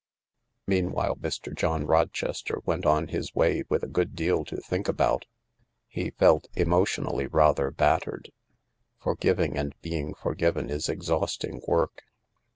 Meanwhile Mr. John Rochester went on his tfay with a good deal to think about. He felt, emotiohally, rather battered : forgiving and being forgiven is etffiausflng work.